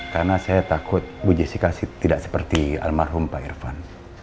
karena saya takut bu jessica tidak seperti almarhum pak irfan